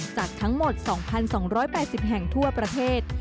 จากทั้งหมด๒๒๘๐แห่งทั่วประเทศ